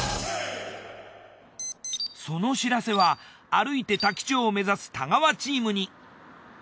その知らせは歩いて多気町を目指す太川チームに。